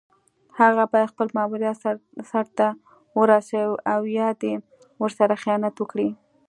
هغه باید خپل ماموریت سر ته ورسوي او یا دې ورسره خیانت وکړي.